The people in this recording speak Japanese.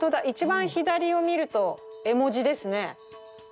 一番左を見ると絵文字ですね。